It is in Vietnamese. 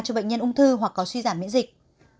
cho bệnh nhân ung thư hoặc có suy giảm miễn dịch